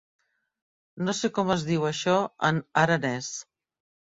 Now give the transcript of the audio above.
No sé com es diu això en aranès.